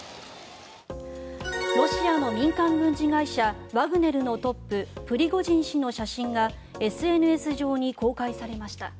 ロシアの民間軍事会社ワグネルのトッププリゴジン氏の写真がＳＮＳ上に公開されました。